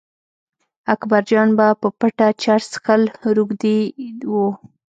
اکبرجان به په پټه چرس څښل روږدي و.